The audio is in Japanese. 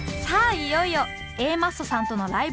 いよいよＡマッソさんとのライブ